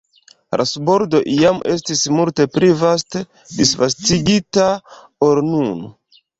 La subordo iam estis multe pli vaste disvastigita ol nun.